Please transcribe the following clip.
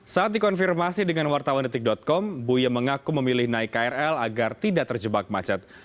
saat dikonfirmasi dengan wartawan detik com buya mengaku memilih naik krl agar tidak terjebak macet